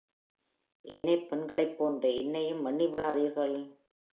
ஏனைப் பெண்களைப் போன்றே என்னையும் எண்ணி விடாதீர்கள்.